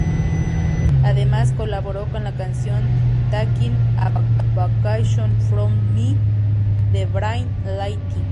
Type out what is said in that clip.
Además, colaboró con la canción "Taking a Vacation from Me" de Bright Lightning.